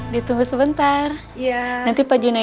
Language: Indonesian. set phones ini makin lama